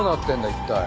一体。